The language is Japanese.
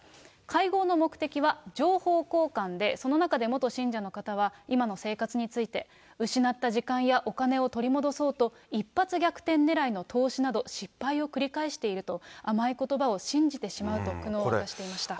会合の目的は情報交換で、その中で元信者の方は、今の生活について、失った時間やお金を取り戻そうと、一発逆転ねらいの投資など失敗を繰り返していると、甘いことばを信じてしまうと、苦悩を明かしていました。